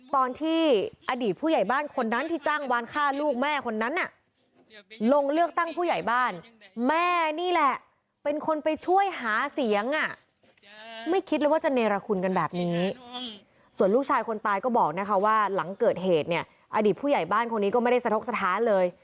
อรอบแล้วว่าหลังเกิดเหตุอดีตผู้ใหญ่บ้านคนนี้ไม่ได้สะทกสถานเลย